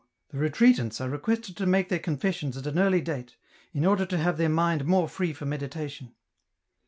The Retreatants are requested to make their Con fessions at an early date, in order to have their mind more free for meditation.